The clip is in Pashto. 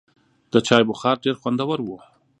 د چای بخار ډېر خوندور و.